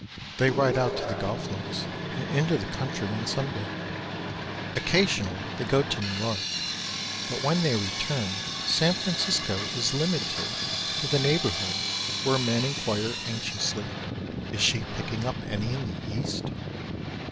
They ride out to the golf links and into the country on Sunday. Occasionally they go to New York, but when they return San Francisco is limited to the neighborhood where men inquire anxiously "Is she picking up any in the East?"